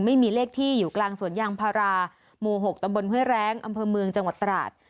ไม่มีเลขที่อยู่กลางสวนยางพาราหมู่๖ตำบลห้วยแรงอำเภอเมืองจังหวัดตราด